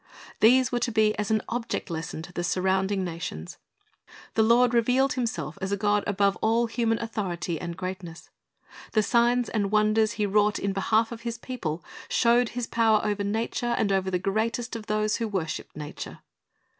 These were to be as an object lesson to the surrounding nations. The Lord rev^ealed Himself as a God above all human authority and greatness. The signs and wonders He wrought in behalf of His people showed His power over nature and over the greatest of those who worshiped nature.